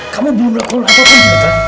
kamu belum melakukan apa apa juga kan